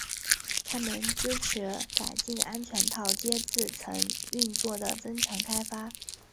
它们支持改进安全套接字层运作的增强开发。